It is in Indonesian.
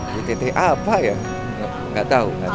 ytta apa ya gak tau